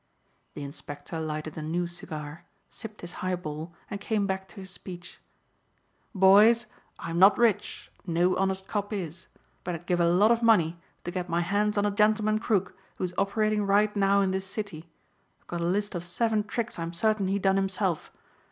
The Inspector lighted a new cigar, sipped his highball and came back to his speech. "Boys, I'm not rich no honest cop is but I'd give a lot of money to get my hands on a gentleman crook who's operating right now in this city. I've got a list of seven tricks I'm certain he done himself.